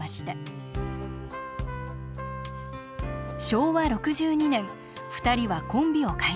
昭和６２年２人はコンビを解消。